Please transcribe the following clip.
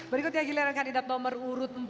berikutnya giliran kandidat nomor urut empat